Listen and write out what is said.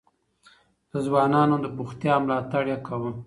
د ځوانانو د بوختيا ملاتړ يې کاوه.